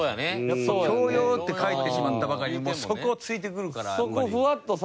やっぱ「強要」って書いてしまったばかりにもうそこを突いてくるからやっぱり。